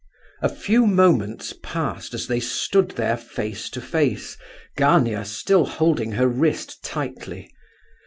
A few moments passed as they stood there face to face, Gania still holding her wrist tightly.